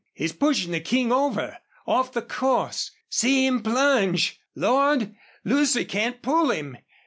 He's pushin' the King over off the course! See him plunge! Lord! Lucy can't pull him!